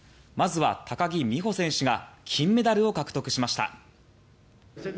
まずは高木美帆選手が金メダルを獲得しました。